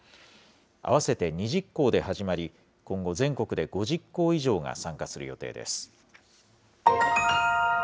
合わせて２０行で始まり、今後、全国で５０行以上が参加する予定です。